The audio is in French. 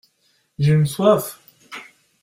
J’ai une soif !